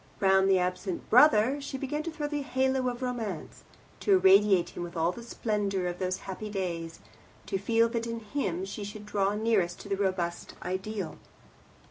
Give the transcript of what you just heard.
Round the absent brother she began to throw the halo of Romance, to irradiate him with all the splendour of those happy days, to feel that in him she should draw nearest to the robust ideal.